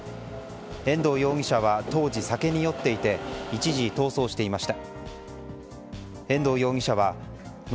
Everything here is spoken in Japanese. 遠藤容疑者は当時、酒に酔っていて一時逃走していました。